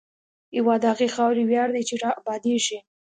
هېواد د هغې خاورې ویاړ دی چې ابادېږي.